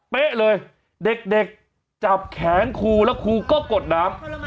เป๊ะเลยเด็กจับแขนครูแล้วครูก็กดน้ำ